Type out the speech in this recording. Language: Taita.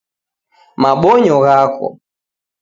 Mabonyo ghako